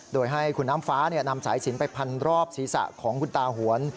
โดยให้คุณน้ำฟ้านำสายสินไปพันรอบศีรษะของคุณตาหวน